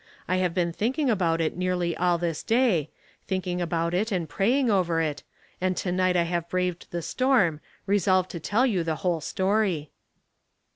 I have been thinking about it nearly all this day, thinking about it and praying over it, and to night I have braved the storm, resolved to tell you the whole stoi y."